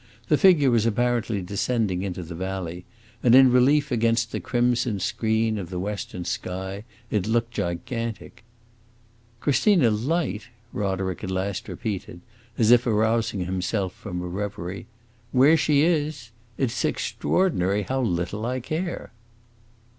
The figure was apparently descending into the valley, and in relief against the crimson screen of the western sky, it looked gigantic. "Christina Light?" Roderick at last repeated, as if arousing himself from a reverie. "Where she is? It 's extraordinary how little I care!"